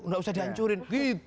gak usah dihancurin